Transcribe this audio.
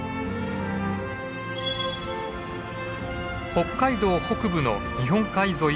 北海道北部の日本海沿い